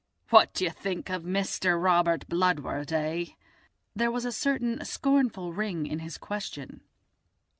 "What do you think of Mister Robert Bludward, eh?" There was a certain scornful ring in his question.